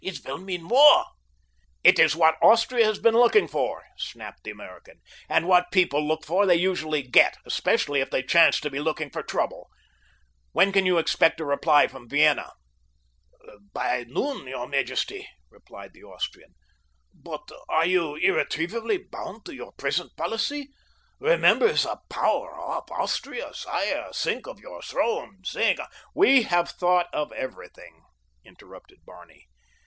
"It will mean war!" "It is what Austria has been looking for," snapped the American, "and what people look for they usually get, especially if they chance to be looking for trouble. When can you expect a reply from Vienna?" "By noon, your majesty," replied the Austrian, "but are you irretrievably bound to your present policy? Remember the power of Austria, sire. Think of your throne. Think—" "We have thought of everything," interrupted Barney.